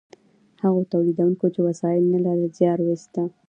هغو تولیدونکو چې وسایل نه لرل زیار ویسته.